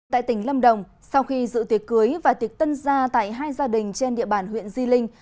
tại tỉnh lâm đồng sau khi dự tiệc cưới và tiệc tân gia tại hai gia đình trên địa bàn huyện di linh